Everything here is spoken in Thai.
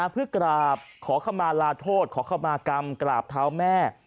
เพื่อกราบขอขมาลาโทษขอเข้ามากรรมกราบเท้าแม่